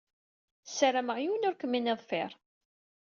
Sarameɣ yiwen ur kem-in-iḍfiṛ.